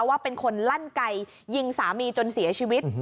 ว่าเป็นคนลั่นไก่ยิงสามีจนเสียชีวิต